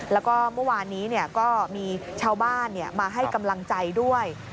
แล้วก็เมื่อวานนี้ก็มีชาวบ้านมาให้กำลังใจด้วย